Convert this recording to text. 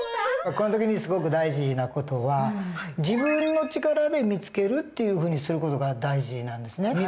この時にすごく大事な事は自分の力で見つけるというふうにする事が大事なんですね。